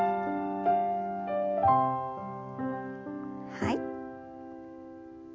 はい。